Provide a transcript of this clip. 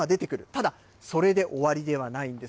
ただ、それで終わりではないんです。